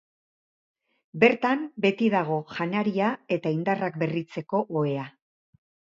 Bertan beti dago janaria eta indarrak berritzeko ohea.